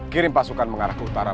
kirim pasukan mengarah ke utara